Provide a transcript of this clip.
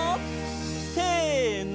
せの！